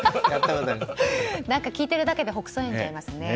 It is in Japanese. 聞いてるだけでほくそ笑んじゃいますね。